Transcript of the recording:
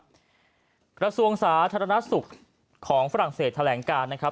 กระทรวงสาธารณสุขของฝรั่งเศสแถลงการนะครับ